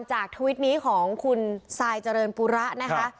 ทวิตนี้ของคุณซายเจริญปูระนะคะ